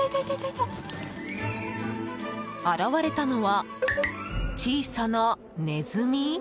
現れたのは、小さなネズミ？